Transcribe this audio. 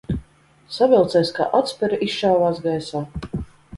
Savilcējs kā atspere izšāvās gaisā.